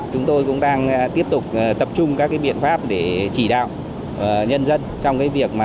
chúng tôi cũng đang tiếp tục tập trung các biện pháp để chỉ đạo nhân dân